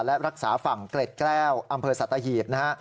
และรักษาฝั่งเกล็ดแก้วอำเภอสัตหีบนะฮะ